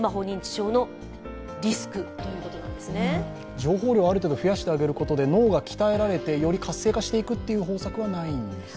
情報量をある程度増やしていくことでより活性化していくという方策はないんですか？